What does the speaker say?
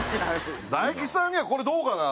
大吉さんにはこれどうかな？